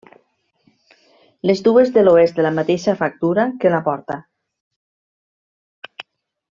Les dues de l'oest de la mateixa factura que la porta.